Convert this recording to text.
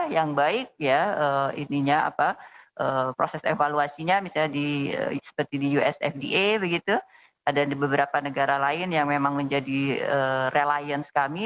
yang baik ya proses evaluasinya misalnya seperti di us fda ada di beberapa negara lain yang memang menjadi relience kami